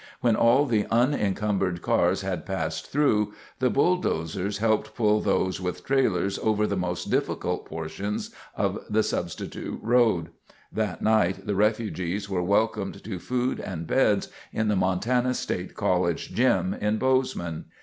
When all the unencumbered cars had passed through, the bulldozers helped pull those with trailers over the most difficult portions of the substitute road. That night the refugees were welcomed to food and beds in the Montana State College gym in Bozeman.